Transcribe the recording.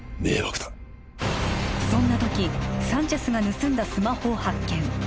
迷惑だそんな時サンチェスが盗んだスマホを発見